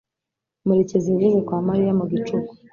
Murekezi yageze kwa Mariya mu gicuku